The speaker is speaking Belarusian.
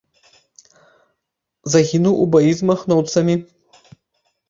Загінуў у баі з махноўцамі.